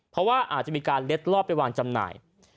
เพราะว่าอาจจะมีการเล็ดลอบไปวางจำหน่าย